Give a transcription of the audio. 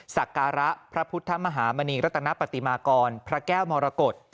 สักการะพระพุทธมหามณีรัตนปฏิมากรพระแก้วมรกฏ